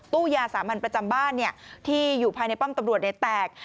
ตู้ยาสามัญประจำบ้านที่อยู่ภายในป้อมตำรวจแตก